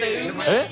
えっ？